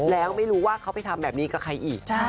แล้วไม่รู้ว่าเขาไปทำแบบนี้กับใครอีก